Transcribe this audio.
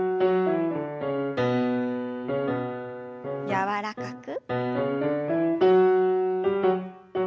柔らかく。